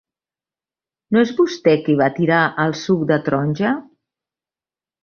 ¿No és vostè qui va tirar el suc de taronja?